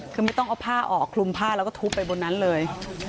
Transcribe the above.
คือไม่ต้องเอาผ้าออกคลุมผ้าแล้วก็ทุบไปบนนั้นเลย